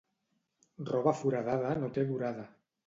Roba foradada no té durada.